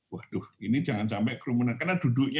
waduh ini jangan sampai kerumunan karena duduknya